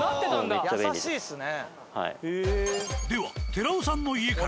優しいっすね。